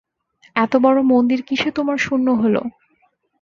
এত বড়ো মন্দির কিসে তোমার শূন্য হল?